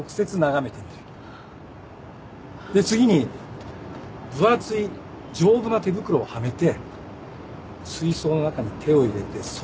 で次に分厚い丈夫な手袋をはめて水槽の中に手を入れてそっと触ってみる。